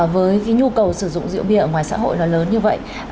với cái nhu cầu sử dụng rượu bia ở ngoài xã hội nó lớn như vậy